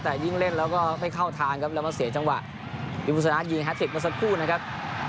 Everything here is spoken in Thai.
แต่ยิ่งเล่นแล้วก็ไม่เข้าทางครับแล้วมาเสียจังหวะที่บุษณะยิงแท็กมาสักครู่นะครับ